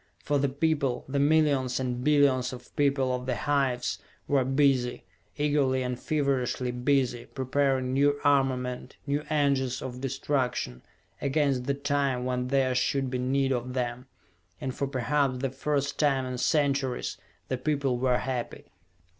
For the people, the millions and billions of people of the hives, were busy, eagerly and feverishly busy, preparing new armament, new engines of destruction, against the time when there should be need of them. And for perhaps the first time in centuries, the people were happy.